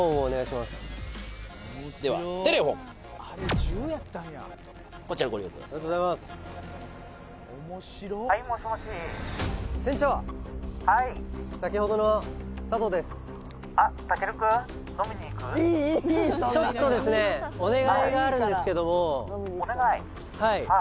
お願いがあるんですけども☎お願い？